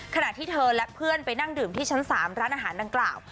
ขณะที่เธอและเพื่อนไปนั่งดื่มที่ชั้น๓ร้านอาหารดังกล่าว